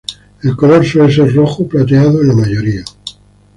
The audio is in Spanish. El color suele ser rojo plateado en la mayoría.